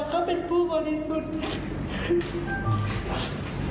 เขาเป็นผู้บริสุทธิ์ไง